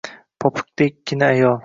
Popukdekkina ayol